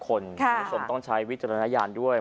คุณผู้ชมต้องใช้วิจารณญาณด้วย